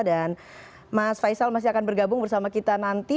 dan mas faisal masih akan bergabung bersama kita nanti